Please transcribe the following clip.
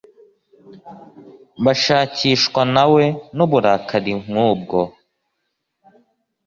bashakishwa nawe nuburakari nkubwo